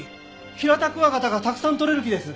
ヒラタクワガタがたくさん捕れる木です！